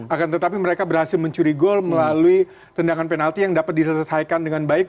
akan tetapi mereka berhasil mencuri gol melalui tendangan penalti yang dapat diselesaikan dengan baik